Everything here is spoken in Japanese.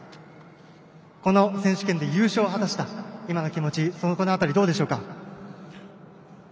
この選手権で優勝を果たした今の気持ち、どうでしょうか？